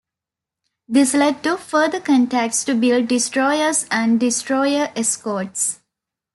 This led to further contracts to build destroyers and destroyer escorts.